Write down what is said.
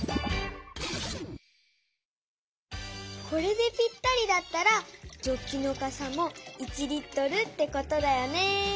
これでぴったりだったらジョッキのかさも１Ｌってことだよね。